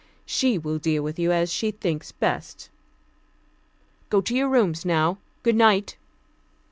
She will deal with you as she thinks best. Go to your rooms now. Goodnight!"